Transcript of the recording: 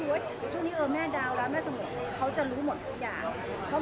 เดี๋ยวช่วงนี้เออแม่ดาวร้านแม่สมุทรเขาจะรู้หมดทุกอย่าง